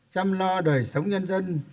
chăm lo đời sống nhân dân